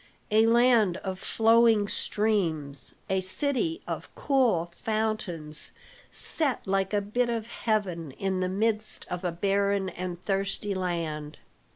A land of flowing streams, a city of cool fountains, set like a bit of heaven in the midst of a barren and thirsty land.